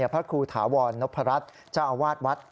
พระครูถาวรนพรัชเจ้าอาวาสวัด